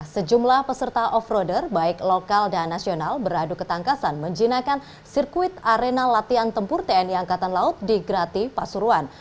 sejumlah peserta off roader baik lokal dan nasional beradu ketangkasan menjinakan sirkuit arena latihan tempur tni angkatan laut di grati pasuruan